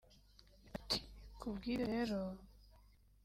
Ati “Ku bw’ibyo rero